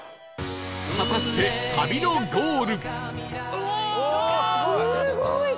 果たして旅のゴール